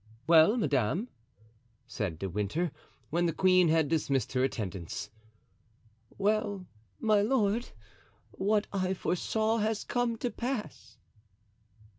Well, madame," said De Winter, when the queen had dismissed her attendants. "Well, my lord, what I foresaw has come to pass."